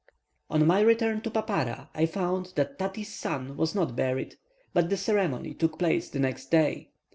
On my return to Papara, I found that Tati's son was not buried, but the ceremony took place the next day.